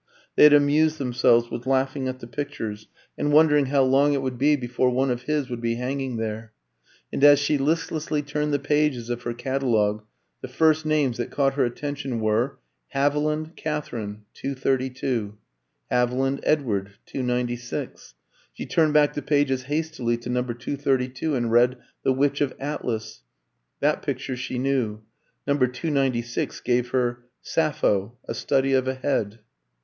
They had amused themselves with laughing at the pictures, and wondering how long it would be before one of his would be hanging there. And as she listlessly turned the pages of her catalogue, the first names that caught her attention were, "Haviland, Katherine, 232"; "Haviland, Edward, 296." She turned back the pages hastily to No. 232 and read, "The Witch of Atlas." That picture she knew. No. 296 gave her "Sappho: A Study of a Head."